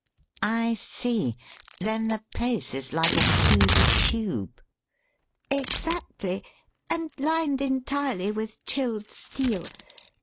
"I see. Then the place is like a huge tube." "Exactly and lined entirely with chilled steel.